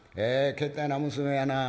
けったいな娘やな。